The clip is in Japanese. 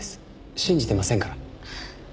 信じてませんから。